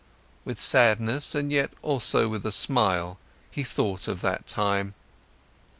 With sadness, and yet also with a smile, he thought of that time.